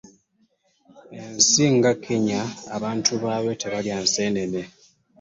Ensi nga Kenya abantu baayo tebalya nsenene.